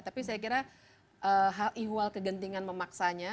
tapi saya kira hal ihwal kegentingan memaksanya